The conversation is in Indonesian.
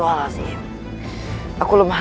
aku akan segera membunuh tumbalku